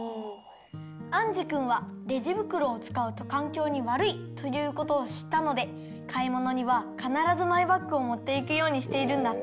アンジくんはレジぶくろをつかうとかんきょうにわるいということをしったのでかいものにはかならずマイバッグをもっていくようにしているんだって。